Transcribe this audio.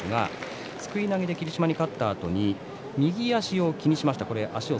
すくい投げで霧島に勝ったあとに右足を気にしました。